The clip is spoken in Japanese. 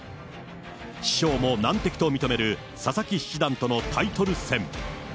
師匠も難敵と認める佐々木七段とのタイトル戦。